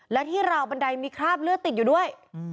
และที่ราวบันไดมีคราบเลือดติดอยู่ด้วย